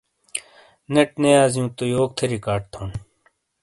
نیٹ نے یازِیوں تو یوک تھے ریکارڈنگ تھونڈ؟